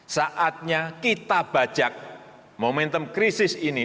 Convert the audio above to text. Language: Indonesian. saatnya kita bajak momentum krisis ini